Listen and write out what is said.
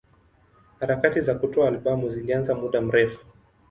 Harakati za kutoa albamu zilianza muda mrefu.